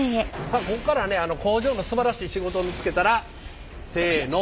さあここからはね工場のすばらしい仕事を見つけたらせの。